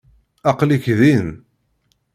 Aql-ik din!